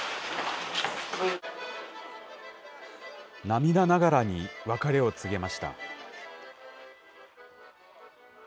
涙ながらに別れを告げました。